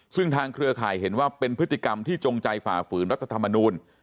ซึ่งทางเครือข่ายเห็นว่าเป็นพฤติกรรมที่จงใจฝ่าฝืนรัฐธรรมนูล